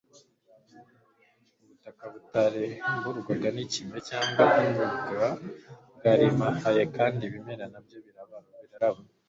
ubutaka butahemburwaga nikime cyangwa imvura bwarimahaye kandi ibimera nabyo biraraba